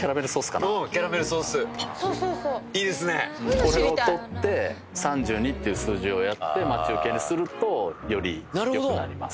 これを撮って３２っていう数字をやって待ち受けにするとより良くなります。